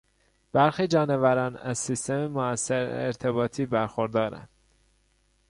برخی جانوران از سیستم موثر ارتباطی برخوردارند.